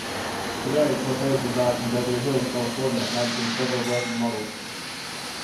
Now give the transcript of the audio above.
Today, Cortez resides in Beverly Hills, California managing several working models.